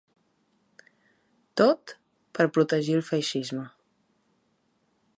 Tot, per protegir el feixisme.